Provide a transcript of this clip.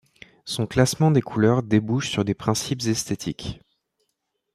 Son classement des couleurs débouche sur des principes esthétiques.